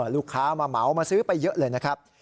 ลูกค้ามาเหมามาซื้อไปเยอะเลยนะครับ